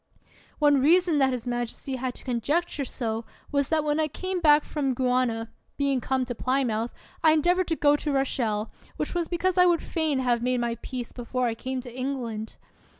One reason that his majesty had to conjecture so was that when I came back from Guiana, being come to Plymouth, I endeavored to go to Rochelle, which was be cause I would fain have made my peace before I came to England.